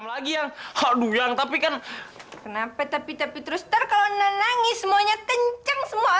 lagi yang haduyang tapi kan kenapa tapi tapi terus terkone nangis semuanya kenceng semua